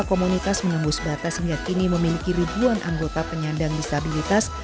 komunitas menembus batas hingga kini memiliki ribuan anggota penyandang disabilitas